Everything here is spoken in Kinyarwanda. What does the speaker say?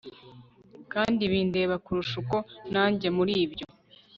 kandi bindeba kurusha uko najya muribyo